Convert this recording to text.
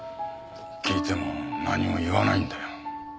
聞いても何も言わないんだよ。